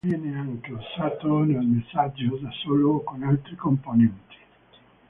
Viene anche usato nei massaggio, da solo o con altri componenti.